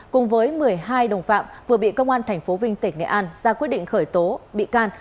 cùng với một mươi hai đồng phạm vừa bị công an tp vinh tỉnh nghệ an ra quyết định khởi tố bị can